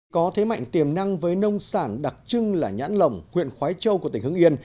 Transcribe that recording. có thế mạnh tiềm năng với nông sản đặc trưng là nhãn lồng huyện khoái châu của tỉnh hưng yên